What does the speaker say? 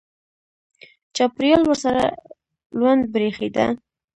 چاپېریال ورسره لوند برېښېده.